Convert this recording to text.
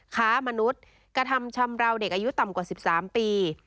ค้ามนุษย์กระทำชำราวเด็กอายุต่ำกว่า๑๓ปี